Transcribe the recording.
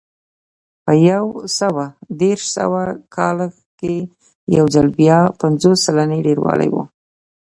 په یو سوه دېرش سوه کال کې یو ځل بیا پنځوس سلنې ډېروالی و